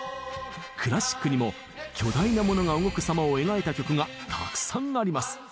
クラシックにも巨大なモノが動くさまを描いた曲がたくさんあります。